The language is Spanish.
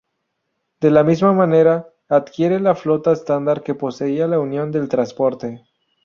De la misma manera, adquiere la flota estándar que poseía Unión del Transporte.